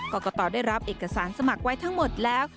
กรกตได้รับเอกสารสมัครไว้ทั้งหมดแล้ว